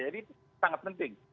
jadi itu sangat penting